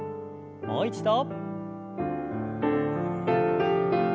もう一度。